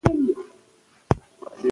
شعر د عواطفو نماینده دی.